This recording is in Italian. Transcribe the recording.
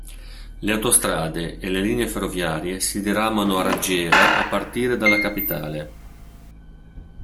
Le autostrade e le linee ferroviarie si diramano a raggiera a partire dalla capitale.